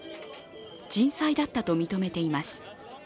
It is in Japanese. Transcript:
人災だったと認めています。